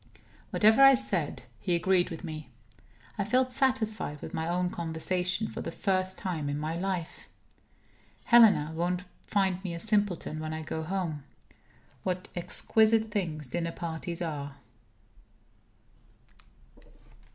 Whatever I said, he agreed with me; I felt satisfied with my own conversation, for the first time in my life. Helena won't find me a simpleton when I go home. What exquisite things dinner parties are!